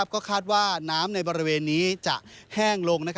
ก็คาดว่าน้ำในบริเวณนี้จะแห้งลง